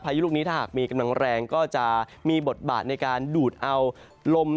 ยุลูกนี้ถ้าหากมีกำลังแรงก็จะมีบทบาทในการดูดเอาลม